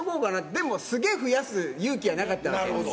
でもすげー増やす勇気はなかったなるほど。